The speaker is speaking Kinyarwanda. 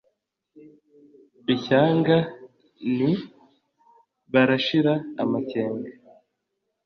Ishyanga nti baranshira amakenga,